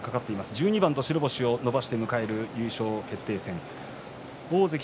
１２番と白星を伸ばして迎える優勝決定戦。